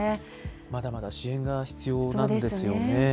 まだまだ支援が必要なんですよね。